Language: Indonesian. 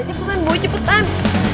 cepetan boy cepetan